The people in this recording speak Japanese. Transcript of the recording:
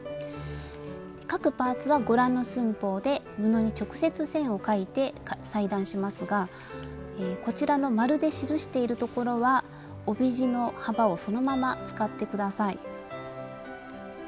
各パーツはご覧の寸法で布に直接線を描いて裁断しますがこちらの丸で記しているところは帯地の幅をそのまま使って下さい。